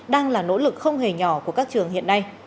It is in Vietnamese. đang là nỗ lực không hề nhỏ của các trường hiện nay